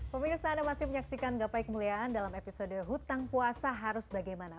pemirsa anda masih menyaksikan gapai kemuliaan dalam episode hutang puasa harus bagaimana